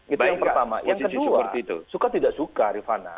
itu yang pertama yang kedua suka tidak suka rifana